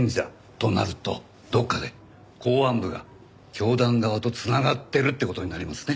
となるとどこかで公安部が教団側と繋がってるって事になりますね。